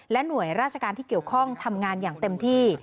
หน่วยราชการที่เกี่ยวข้องทำงานอย่างเต็มที่